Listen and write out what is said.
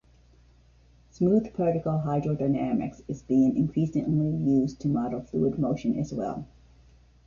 Smoothed-particle hydrodynamics is being increasingly used to model fluid motion as well.